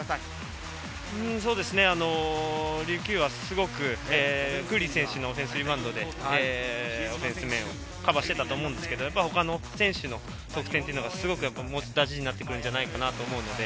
琉球はすごくクーリー選手のオフェンスリバウンドでオフェンス面をカバーしてたと思うんですけれども、他の選手の得点がすごく大事になって来るんじゃないかなと思うので。